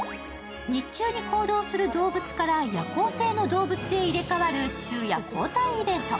日中に行動する動物から夜行性の動物に入れ代わる昼夜交代イベント。